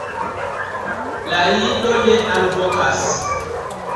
La ino ne alvokas.